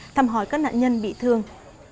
thăm hỏi các nạn nhân bị thương